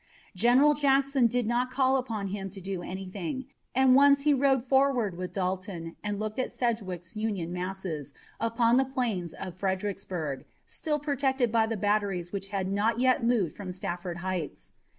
General Jackson did not call upon him to do anything, and once he rode forward with Dalton and looked at Sedgwick's Union masses upon the plains of Fredericksburg, still protected by the batteries which had not yet been moved from Stafford Heights.